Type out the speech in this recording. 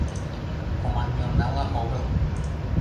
Команмелнала огыл.